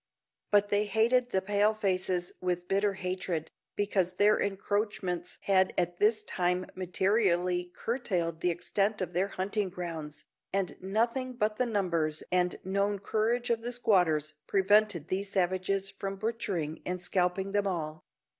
But they hated the "Pale faces" with bitter hatred, because their encroachments had at this time materially curtailed the extent of their hunting grounds, and nothing but the numbers and known courage of the squatters prevented these savages from butchering and scalping them all.